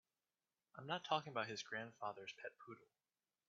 I'm not talking about his grandfather's pet poodle.